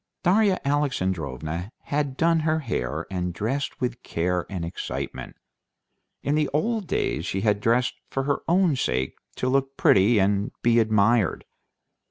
Darya Alexandrovna had done her hair, and dressed with care and excitement. In the old days she had dressed for her own sake to look pretty and be admired.